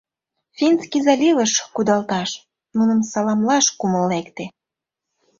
Финский заливыш кудалташ... нуным саламлаш кумыл лекте.